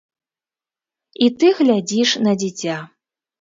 І ты глядзіш на дзіця.